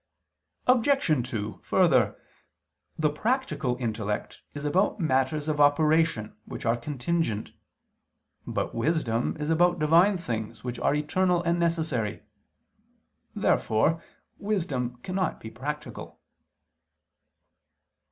Obj. 2: Further, the practical intellect is about matters of operation which are contingent. But wisdom is about Divine things which are eternal and necessary. Therefore wisdom cannot be practical.